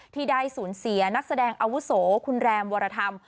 ที่ได้สูญเสียนักแสดงอาวุโสคุณแรมวรธรรม